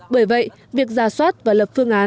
bởi vậy việc ra soát và lập phương